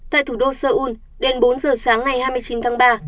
tại thủ đô seoul đến bốn giờ sáng ngày hai mươi chín tháng ba